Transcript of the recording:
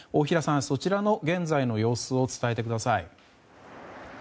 そちらの現在の様子を伝えてください。